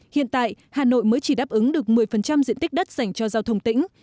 hiện tại hà nội mới chỉ đáp ứng được một mươi diện tích đất dành cho giao thông tỉnh